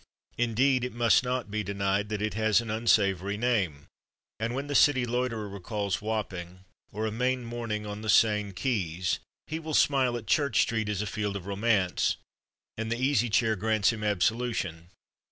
Indeed, it must not be denied that it has an unsavory name; and when the city loiterer recalls Wapping, or a May morning on the Seine quais, he will smile at Church Street as a field of romance, and the Easy Chair grants him absolution.